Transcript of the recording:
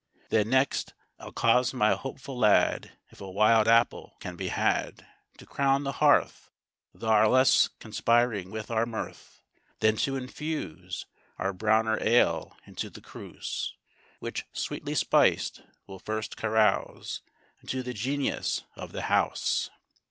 Then next I'Il cause my hopeful lad, If a wild apple can be had, To crown the hearth; Lar thus conspiring with our mirth; Then to infuse Our browner ale into the cruse; Which, sweetly spiced, we'll first carouse Unto the Genius of the house.